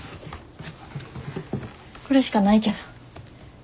これしかないけど。